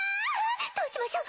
どうしましょう？